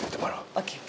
sampai jumpa besok